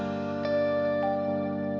jadi itu tujuan lo